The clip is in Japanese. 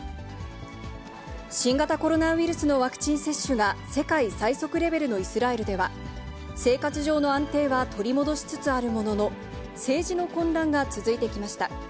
新型コロナウイルスのワクチン接種が、世界最速レベルのイスラエルでは、生活上の安定は取り戻しつつあるものの、政治の混乱が続いてきました。